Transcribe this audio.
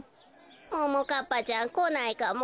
ももかっぱちゃんこないかもね。